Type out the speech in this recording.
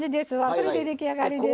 それで出来上がりです。